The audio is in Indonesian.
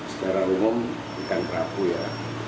secara umum ikan kerapu ya